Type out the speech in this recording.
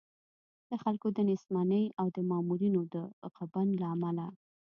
د خلکو د نېستمنۍ او د مامورینو د غبن له امله.